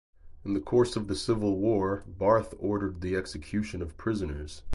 In the course of the civil war Barthe ordered the execution of prisoners.